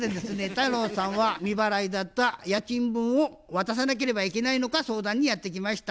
太郎さんは未払いだった家賃分を渡さなければいけないのか相談にやって来ました。